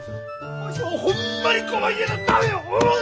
わしはほんまにこの家のためを思うて！